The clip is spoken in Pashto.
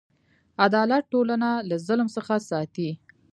عدالت ټولنه له ظلم څخه ساتي.